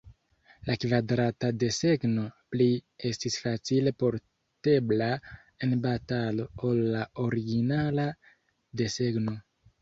La kvadrata desegno pli estis facile portebla en batalo ol la originala desegno.